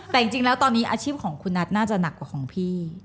แต่ตอนนี้อาชีพของคุณนัดน่าจะหนักกว่าของพี่